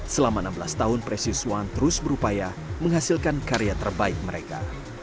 selama enam belas tahun presis one terus berupaya menghasilkan karya terbaik mereka